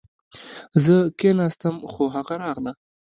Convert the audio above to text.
زه کښېناستم خو هغه راغله